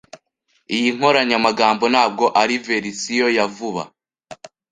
Iyi nkoranyamagambo ntabwo ari verisiyo ya vuba.